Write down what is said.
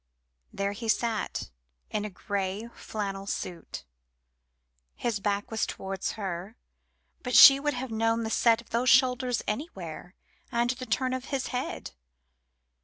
There he sat, in a grey flannel suit. His back was towards her, but she would have known the set of his shoulders anywhere, and the turn of his head.